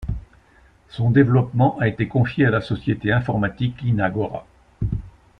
Son développement a été confié à la société informatique Linagora.